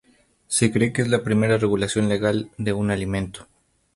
Se cree que es la primera regulación legal de un alimento.